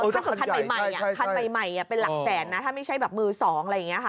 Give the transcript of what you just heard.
ถ้าเกิดคันใหม่คันใหม่เป็นหลักแสนนะถ้าไม่ใช่แบบมือสองอะไรอย่างนี้ค่ะ